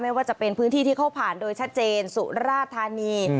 ว่าจะเป็นพื้นที่ที่เขาผ่านโดยชัดเจนสุราธานี